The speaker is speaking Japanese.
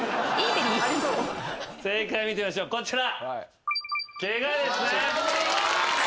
正解見てみましょうこちら。